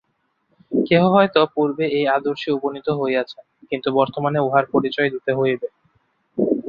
কেহ হয়তো পূর্বে এই আদর্শে উপনীত হইয়াছেন, কিন্তু বর্তমানে উহার পরিচয় দিতে হইবে।